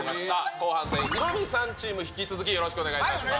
後半戦、ヒロミさんチーム、引き続きよろしくお願いいたします。